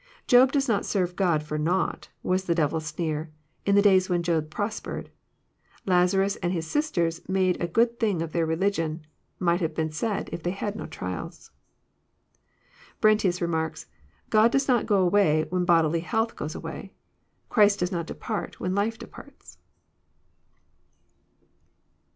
*' Job does not serve God for nought," was the devil's sneer, in the days when Job prospered. Lazarus and his sisters make a good thing of their religion," — might have been said if they had had no trials. ^ Brentius remarks :<< God does not go away when bodily health goes away. Christ does not depart when life departs."